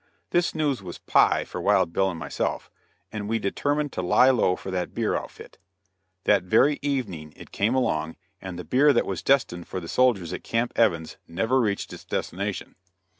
This news was "pie" for Wild Bill and myself, and we determined to lie low for that beer outfit. That very evening it came along, and the beer that was destined for the soldiers at Camp Evans never reached its destination.